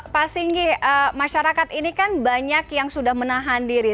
pak singgi masyarakat ini kan banyak yang sudah menahan diri